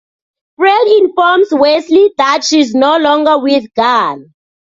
Fred informs Wesley that she's no longer with Gunn.